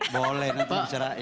boleh nanti saya cerai